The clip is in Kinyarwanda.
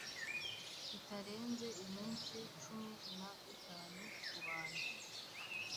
kitarenze iminsi cumi n itanu ku bantu